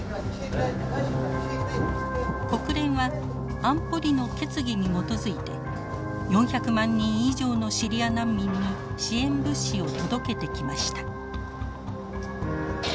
国連は安保理の決議に基づいて４００万人以上のシリア難民に支援物資を届けてきました。